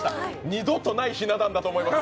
二度とないひな壇だと思います。